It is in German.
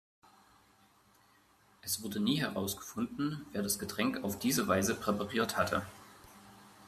Es wurde nie herausgefunden, wer das Getränk auf diese Weise „präpariert“ hatte.